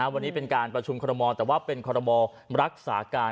วันนี้เป็นการประชุมคอรมอลแต่ว่าเป็นคอรมอรักษาการ